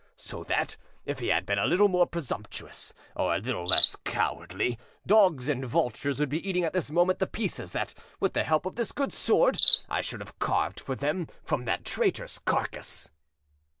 So that, if he had been a little more presumptuous or a little less cowardly, dogs and vultures would be eating at this moment the pieces that, with the help of this good sword, I should have carved for them from that traitor's carcass."